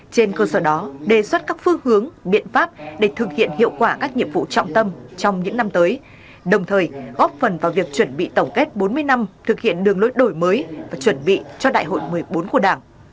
trên cơ sở đó đề xuất các phương hướng biện pháp để thực hiện hiệu quả các nhiệm vụ trọng tâm trong những năm tới đồng thời góp phần vào việc chuẩn bị tổng kết bốn mươi năm thực hiện đường lối đổi mới và chuẩn bị cho đại hội một mươi bốn của đảng